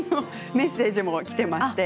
メッセージもきています。